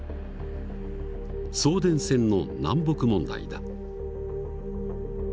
送電線の南北問題だ。